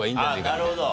なるほど。